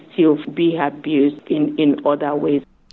tetapi orang masih bisa terjadi keguguran dalam cara lain